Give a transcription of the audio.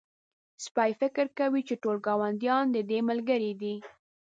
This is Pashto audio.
سپی فکر کوي چې ټول ګاونډيان د ده ملګري دي.